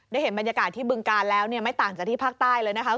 ได้เห็นบรรยากาศที่บึงการแล้วไม่ต่างจากที่ภาคใต้เลยนะครับ